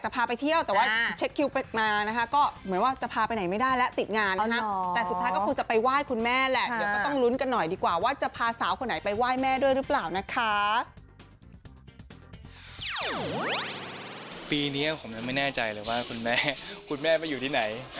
ปีนี้ผมยังไม่แน่ใจเลยว่าคุณแม่คุณแม่ไปอยู่ที่ไหน